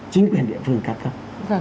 chính quyền địa phương cao cấp